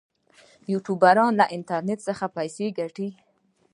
یوټیوبران له انټرنیټ پیسې ګټي